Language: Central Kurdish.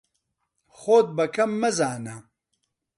خۆت بە کەم مەزانە.